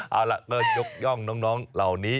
เอาล่ะก็ยกย่องน้องเหล่านี้